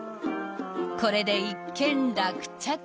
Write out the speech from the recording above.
［これで一件落着］